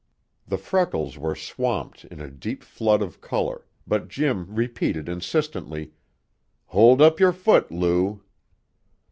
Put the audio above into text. The freckles were swamped in a deep flood of color, but Jim repeated insistently: "Hold up your foot, Lou."